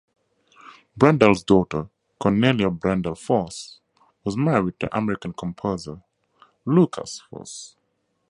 Brendel's daughter Cornelia Brendel Foss was married to American composer Lukas Foss.